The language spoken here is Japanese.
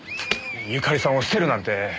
由香利さんを捨てるなんて。